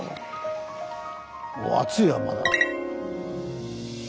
熱いよまだ。